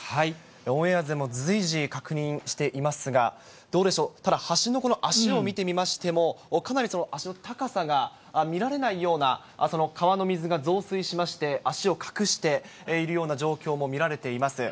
オンエアでも随時確認していますが、どうでしょう、ただ橋のこの脚を見てみましても、かなり足の高さが見られないような、川の水が増水しまして、脚を隠しているような状況も見られています。